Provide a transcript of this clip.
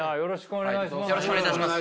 お願いします。